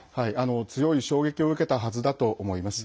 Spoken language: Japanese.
強い衝撃を受けたはずだと思います。